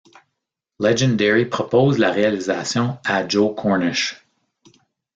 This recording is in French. Legendary propose la réalisation à Joe Cornish.